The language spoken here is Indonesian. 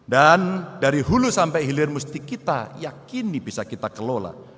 dan dari hulu sampai hilir mesti kita yakini bisa kita kelola